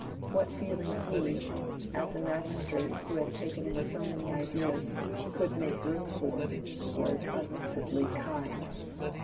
What feeling he, as a magistrate who had taken in so many ideas, could make room for, was unmixedly kind.